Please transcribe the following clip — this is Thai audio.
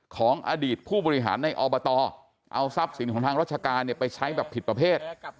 ของอดีตผู้บริหารในอบตเอาทรัพย์สินของทางราชการไปใช้แบบผิดประเภท